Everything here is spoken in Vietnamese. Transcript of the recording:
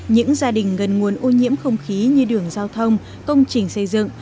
những gia đình gần nguồn ô nhiễm không khí như đường giao thông công trình xây dựng